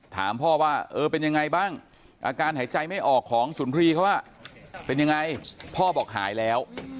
ถามพ่อว่าเออเป็นยังไงบ้างอาการหายใจไม่ออกของสุนทรีย์เขาเป็นยังไงพ่อบอกหายแล้ว